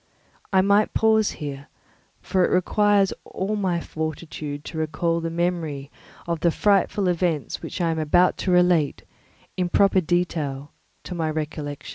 I must pause here, for it requires all my fortitude to recall the memory of the frightful events which I am about to relate, in proper detail, to my recollection.